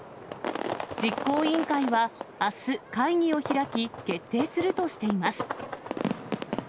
実行委員会はあす、会議を開き、決定するとしています。